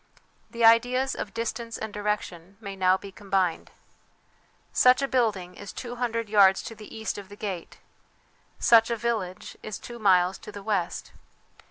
The ideas of distance and direction may now be combined. Such a building is two hundred yards to the east of the gate, such a village two miles to the west.